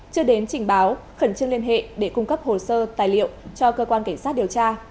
chưa đến trình báo khẩn trương liên hệ để cung cấp hồ sơ tài liệu cho cơ quan cảnh sát điều tra